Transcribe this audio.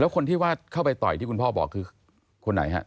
คนที่ว่าเข้าไปต่อยที่คุณพ่อบอกคือคนไหนฮะ